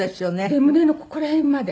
で胸のここら辺まで。